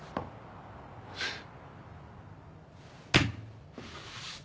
フッ。